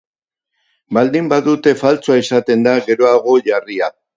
Baldin badute, faltsua izaten da, geroago jarria.